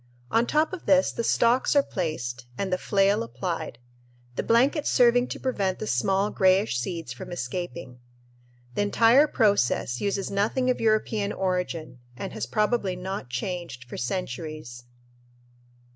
On top of this the stalks are placed and the flail applied, the blanket serving to prevent the small grayish seeds from escaping. The entire process uses nothing of European origin and has probably not changed for centuries.